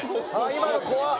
今の怖っ。